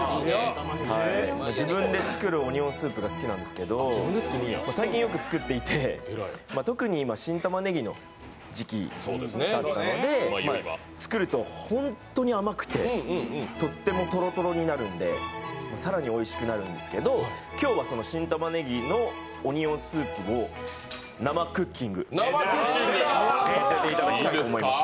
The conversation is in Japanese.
自分で作るオニオンスープが好きなんですけど、最近よく作っていて、特に今、新玉ねぎの時期なので、作ると本当に甘くて、とってもとろとろになるんで更においしくなるんですけど今日はその新玉ねぎのオニオンスープを生クッキングさせていただきたいと思います。